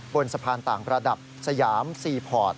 บนสะพานต่างระดับสยามซีพอร์ต